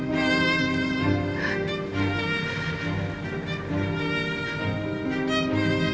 jangan kelihatan masalah lu lagi ya